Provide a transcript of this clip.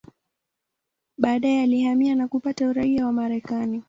Baadaye alihamia na kupata uraia wa Marekani.